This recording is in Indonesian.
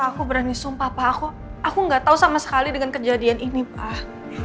pak aku berani sumpah pak aku gak tau sama sekali dengan kejadian ini pak